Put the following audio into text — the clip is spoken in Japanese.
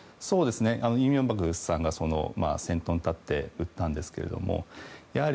李明博さんが先頭に立って売ったんですけれども。